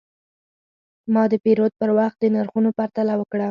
ما د پیرود پر وخت د نرخونو پرتله وکړه.